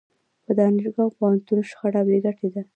په دانشګاه او پوهنتون شخړه بې ګټې ده.